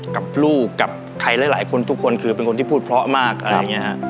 กับลูกกับใครหลายคนทุกคนคือเป็นคนที่พูดเพราะมากอะไรอย่างนี้ฮะ